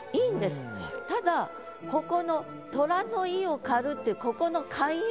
ただここの「虎の威を借る」っていうここのええ！